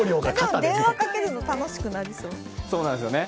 電話かけるの、楽しくなりそう。